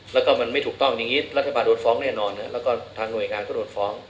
แล้วก็มันไม่ถูกต้องอย่างนี้รัฐบาลโดนฟ้องแน่นอนแล้วก็ทางหน่วยงานก็โดนฟ้อง